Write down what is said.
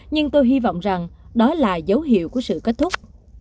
nhưng tôi hy vọng rằng đó là dấu hiệu của sự kết thúc